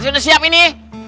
sudah siap ini